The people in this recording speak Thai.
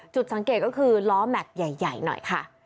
จุดสังเกตก็คือล้อแม็กซ์ใหญ่หน่อยค่ะ